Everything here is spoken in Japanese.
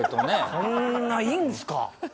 こんないいんですか？